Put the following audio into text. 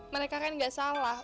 mereka kan nggak salah